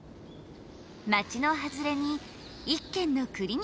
街の外れに一軒のクリニックがある。